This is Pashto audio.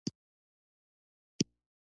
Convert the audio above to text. دا څه شی دی چې د دې جرقې غږ رامنځته کوي؟